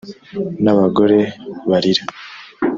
N,abagore balira